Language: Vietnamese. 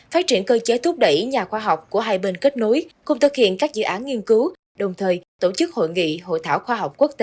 phát triển cơ chế thúc đẩy nhà khoa học của hai bên kết nối cùng thực hiện các dự án nghiên cứu đồng thời tổ chức hội nghị hội thảo khoa học quốc tế